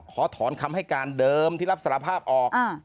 ขอถอนคำให้การเดิมที่รับสารภาพออก